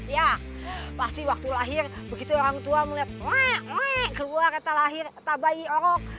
ya pasti waktu lahir begitu orang tua melihat wek wek keluar kita lahir kita bayi orok